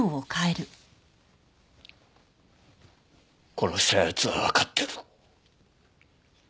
殺した奴はわかってる。